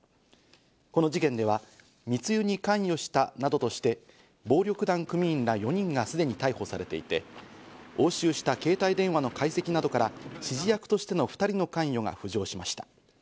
この事件では密輸に関与したなどとして暴力団組員ら４人がすでに逮捕されていて、押収した携帯電話の解析などから、指示役としての２人の関与が浮上しました。